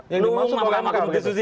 yang dimaksud mahkamah konstitusi